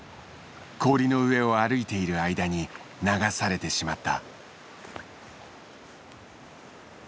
氷の上を歩いている間に流されてしまった。